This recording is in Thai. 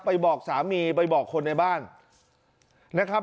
บอกสามีไปบอกคนในบ้านนะครับ